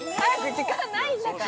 時間ないんだから！